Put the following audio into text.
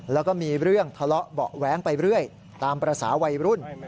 แล้วก็มีเรื่องทะเลาะเบาะแว้งไปเรื่อยตามภาษาวัยรุ่น